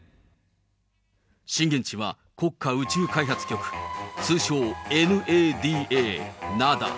震源地は国家宇宙開発局、通称ＮＡＤＡ、ナダ。